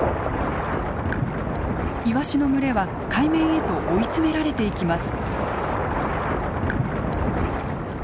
イワシの群れは海面へと追い詰められていきます。